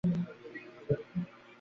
আমি তো প্রশ্নই করিনি!